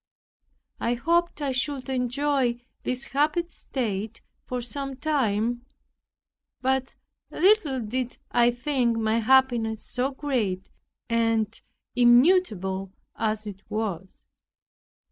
I hoped I should enjoy this happy state for some time, but little did I think my happiness so great and immutable as it was.